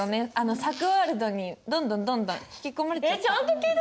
さくワールドにどんどんどんどん引き込まれちゃった。